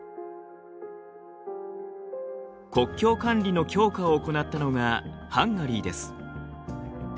国境管理の強化を行ったのがハンガリーです。